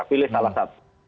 pilih salah satu